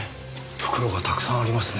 袋がたくさんありますね。